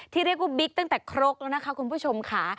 ที่เรียกว่าบิ๊กตั้งแต่ครกแล้วนะคะคุณผู้ชมค่ะ